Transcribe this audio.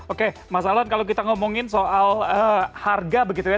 oke mas alun kalau kita ngomongin soal harga begitu ya